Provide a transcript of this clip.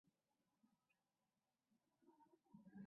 中亚卫矛为卫矛科卫矛属的植物。